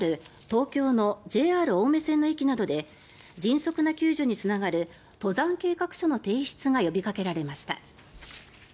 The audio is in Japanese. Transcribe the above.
東京のＪＲ青梅線の駅などで迅速な救助につながる登山計画書の提出が呼びかけられました。